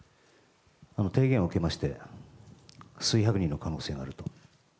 提言を受けまして数百人の可能性があると。